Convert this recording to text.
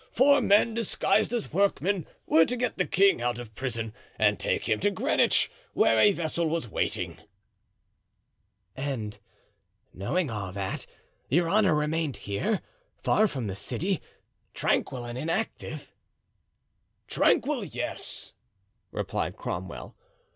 Four men, disguised as workmen, were to get the king out of prison and take him to Greenwich, where a vessel was waiting." "And knowing all that, your honor remained here, far from the city, tranquil and inactive." "Tranquil, yes," replied Cromwell.